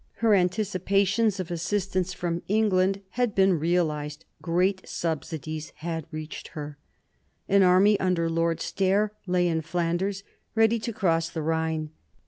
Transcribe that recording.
Her anticipations of assistance from England 1740 43 WAR OF SUCCESSION 28 had been realised, great subsidies had reached her. An army, under Lord Stair, lay in Flanders ready to cross the Rhine.